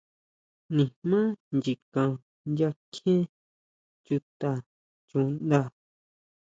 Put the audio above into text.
Nijmá nyikan nya kjie chuta chuʼnda.